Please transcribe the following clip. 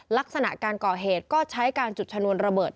ลักษณะการก่อเหตุก็ใช้การจุดชนวนระเบิด